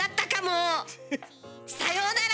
さようなら！